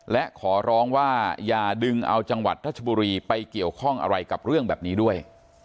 และขอร้องว่าอย่าดึงเอาจังหวัดทัชบุรีไปเกี่ยวข้องอะไรกับเรื่องแบบนี้ด้วย